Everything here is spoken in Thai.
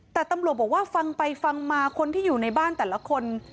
แต่ตำรวจบอกว่าฟังไปฟังมาคนที่อยู่ในบ้านแต่ละคน